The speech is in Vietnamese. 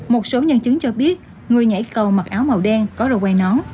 một số nhân chứng cho biết người nhảy cầu mặc áo màu đen có rồi quay nó